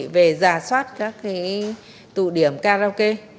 về ra soát các cái tụ điểm karaoke